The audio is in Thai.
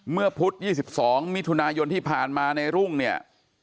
พุธ๒๒มิถุนายนที่ผ่านมาในรุ่งเนี่ย